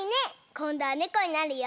こんどはねこになるよ。